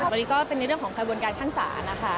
วันนี้ก็เป็นในเรื่องของขบวนการขั้นศาลนะคะ